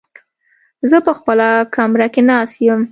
زه په خپله کمره کې ناست يم.